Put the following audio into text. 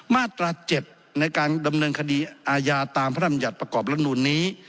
มาตราคม๗ในการดำเนินคดีอาญาตามพบหรัฐนูลนี้